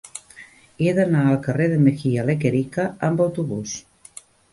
He d'anar al carrer de Mejía Lequerica amb autobús.